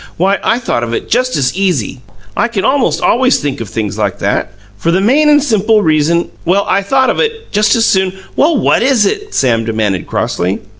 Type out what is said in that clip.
Why, I thought of it just as EASY! I can most always think of things like that, for the main and simple reason well, I thought of it just as soon " "Well, what is it?" Sam demanded crossly.